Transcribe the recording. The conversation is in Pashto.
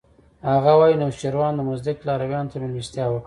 هغه وايي انوشیروان د مزدک لارویانو ته مېلمستیا وکړه.